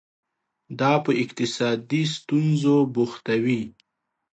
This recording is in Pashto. دا په اقتصادي ستونزو بوختوي.